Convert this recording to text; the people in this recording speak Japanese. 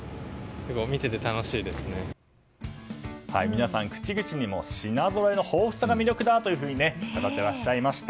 皆さん、口々にも品ぞろえの豊富さが魅力だというふうに語っていらっしゃいました。